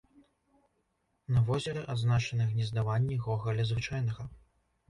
На возеры адзначаны гнездаванні гогаля звычайнага.